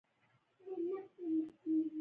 • د ورځې لمونځ د الله د رحمت دروازه ده.